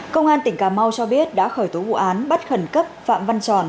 công an tỉnh cà mau cho biết đã khởi tố vụ án bắt khẩn cấp phạm văn tròn